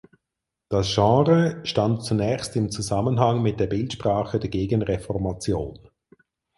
Das Genre stand zunächst im Zusammenhang mit der Bildsprache der Gegenreformation.